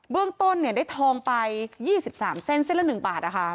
เบื้องต้นเนี่ยได้ทองไปยี่สิบสามเซนต์สิ้นละหนึ่งบาทนะคะ